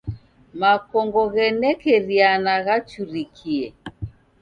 Makongo ghenekeriana ghachurikie.